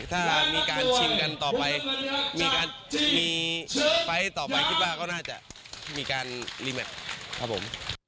ถ้ามีการชิมกันต่อไปมีการมีไฟล์ต่อไปคิดว่าก็น่าจะมีการรีแมคครับผม